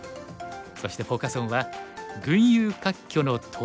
そしてフォーカス・オンは「群雄割拠の到来か！